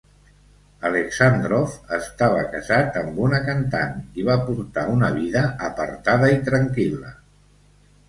Aleksàndrov estava casat amb una cantant i va portar una vida apartada i tranquil·la.